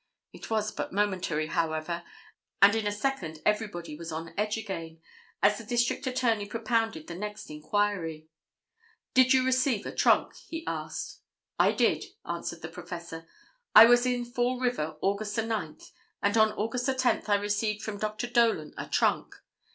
It was but momentary, however, and in a second everybody was on edge again, as the District Attorney propounded the next inquiry. "Did you receive a trunk?" he asked. "I did," answered the professor. "I was in Fall River, August 9, and on August 10 I received from Dr. Dolan a trunk.